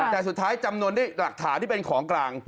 แต่สุดท้ายจำนวนด้วยหลักฐานที่เป็นของกลาง